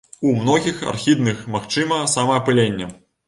У многіх архідных магчыма самаапыленне.